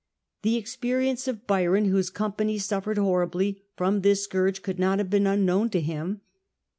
The experience of Byron, whose company suffered horribly from this scourge, could not have been unknown to him.